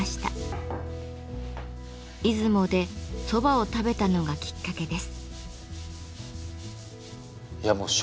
出雲で蕎麦を食べたのがきっかけです。